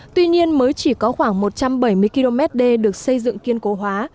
tuy nhiên mới chỉ có khoảng một trăm bảy mươi km đê được xây dựng kiên cố hóa